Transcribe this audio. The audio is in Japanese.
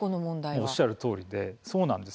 おっしゃるとおりでそうなんです。